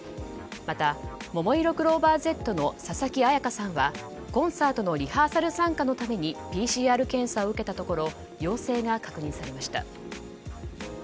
また、ももいろクローバーＺの佐々木彩夏さんはコンサートのリハーサル参加のためにＰＣＲ検査を受けたところ陽性が確認されました。